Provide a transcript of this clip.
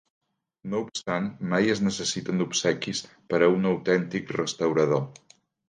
No obstant, mai es necessiten obsequis per a un autèntic restaurador.